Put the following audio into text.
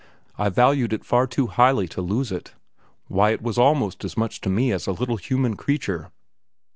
I valued it far too highly to lose it; why, it was almost as much to me as a little human creature.